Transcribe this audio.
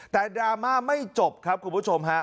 แต่ดราม่าไม่จบครับคุณผู้ชมฮะ